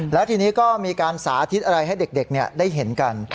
แล้วทีนี้ก็มีการสาธิตอะไรให้เด็กได้เห็นกัน